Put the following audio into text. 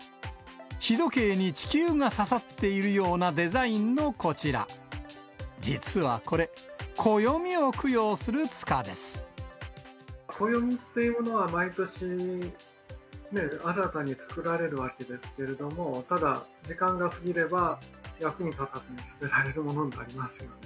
日時計に地球が刺さっているようなデザインのこちら、暦というものは、毎年、新たに作られるわけですけれども、ただ、時間が過ぎれば、役に立たずに捨てられるものになりますよね。